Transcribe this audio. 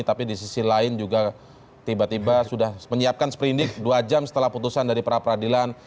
tapi di sisi lain juga tiba tiba sudah menyiapkan seperindik dua jam setelah putusan dari pra peradilan